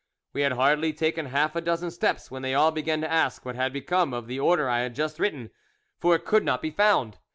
We had hardly taken half a dozen steps when they all began to ask what had become of the order I had just written, for it could not be found.